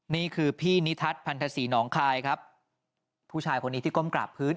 นี่คือพี่นิทัศน์พันธศรีหนองคายครับผู้ชายคนนี้ที่ก้มกราบพื้น